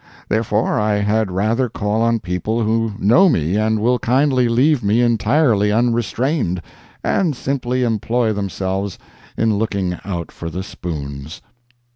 Therefore, I had rather call on people who know me and will kindly leave me entirely unrestrained, and simply employ themselves in looking out for the spoons.